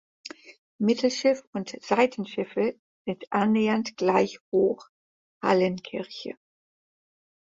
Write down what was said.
Mittelschiff und Seitenschiffe sind annähernd gleich hoch (Hallenkirche).